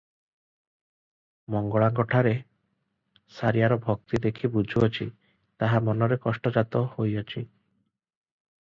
ମଙ୍ଗଳାଙ୍କଠାରେ ସାରିଆର ଭକ୍ତି ଦେଖି ବୁଝୁଅଛି, ତାହା ମନରେ କଷ୍ଟ ଜାତ ହୋଇଅଛି ।